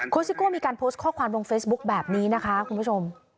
ซิโก้มีการโพสต์ข้อความลงเฟซบุ๊คแบบนี้นะคะคุณผู้ชม